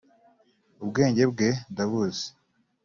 ubwenge bwawe ndabuzi